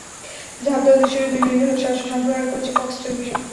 ঝাঁপ দেওয়ার দৃশ্যটি দুই মিনিট ধরে সরাসরি সম্প্রচার করেছে ফক্স টেলিভিশন।